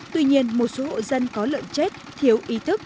tuy nhiên một số hộ dân có lợn chết thiếu ý thức